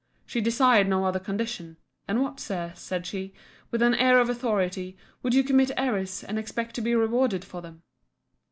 She desired no other condition. And what, Sir, said she, with an air of authority, would you commit errors, and expect to be rewarded for them?